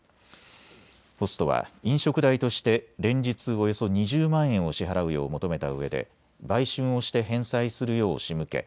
ホストは飲食代として連日およそ２０万円を支払うよう求めたうえで売春をして返済するようしむけ